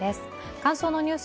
乾燥のニュース